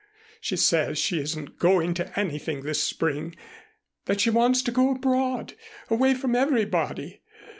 She says she isn't going to anything this spring that she wants to go abroad, away from everybody.